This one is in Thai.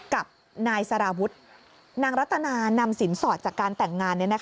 กับนายสารวุฒินางรัตนานำสินสอดจากการแต่งงาน